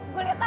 gue liat lah